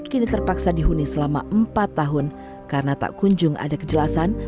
kini terpaksa dihuni selama empat tahun karena tak kunjung ada kejelasan